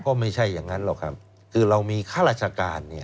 ก็ไม่ใช่อย่างนั้นหรอกครับคือเรามีข้าราชการเนี่ย